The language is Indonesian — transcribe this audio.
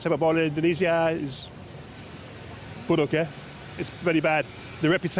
sampai jumpa ketemu lagi di sebuah video selanjutnya